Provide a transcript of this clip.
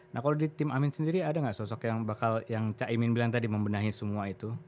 nah kalau di tim amin sendiri ada nggak sosok yang bakal yang cak imin bilang tadi membenahi semua itu